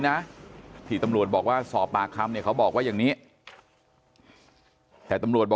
นะที่ตำรวจบอกว่าสอบปากคำเนี่ยเขาบอกว่าอย่างนี้แต่ตำรวจบอก